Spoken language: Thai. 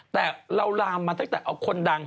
แต่เราลามมาตั้งแต่เอาคนดัง